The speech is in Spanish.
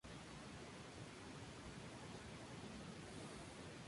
Paramore contó con el grupo Kitten como teloneros.